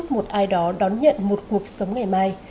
một ai đó đón nhận một cuộc sống ngày mai